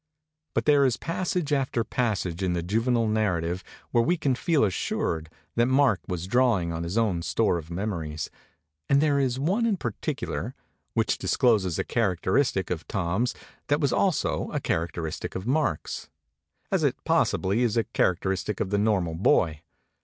But there is passage after pas sage in the juvenile narrative where we can feel assured that Mark was drawing on his own store of memories; and there is one in particu lar, which discloses a characteristic of Tom's that was also a characteristic of Mark's, as it possibly is a characteristic of the normal boy.